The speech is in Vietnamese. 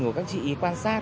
của các chị quan sát